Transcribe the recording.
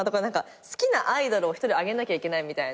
好きなアイドルを１人挙げなきゃいけないみたいな。